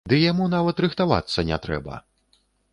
Ды яму нават рыхтавацца не трэба!